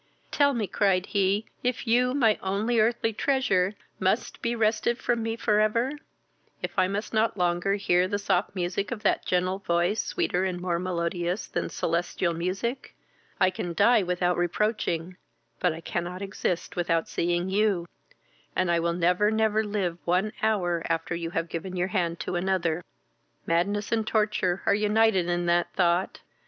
"Tell me, (cried he,) if you, my only earthly treasure, must be wrested from me for ever? if I must not longer hear the soft sound of that gentle voice, sweeter and more melodious than celestial music? I can die without reproaching, but I cannot exist without seeing you; and I will never, never live one hour after you have given your hand to another. Madness and torture are united in that thought!